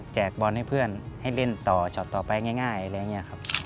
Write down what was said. บอลให้เพื่อนให้เล่นต่อช็อตต่อไปง่ายอะไรอย่างนี้ครับ